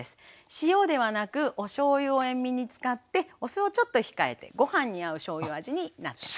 塩ではなくおしょうゆを塩味に使ってお酢をちょっと控えてご飯に合うしょうゆ味になってます。